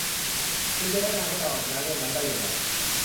คุณจะแนะนำให้เราเอาชนะเรื่องนั้นได้อย่างไร